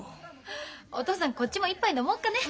お父さんこっちも一杯飲もうかね。